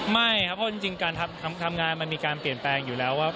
ไม่ครับเพราะจริงการทำงานมันมีการเปลี่ยนแปลงอยู่แล้วว่า